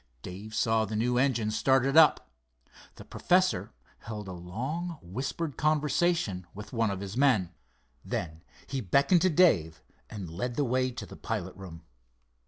Dave saw the new engine started up. The professor held a long, whispered conversation with one of his men. Then he beckoned to Dave and led the way to the pilot room.